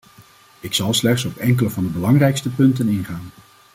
Ik zal slechts op enkele van de belangrijkste punten ingaan.